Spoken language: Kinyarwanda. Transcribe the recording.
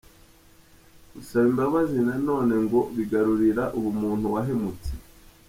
Gusaba imbabazi na none ngo bigarurira ubumuntu uwahemutse.